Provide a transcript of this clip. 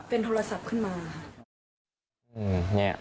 เป็นโทรศัพท์ขึ้นมาค่ะ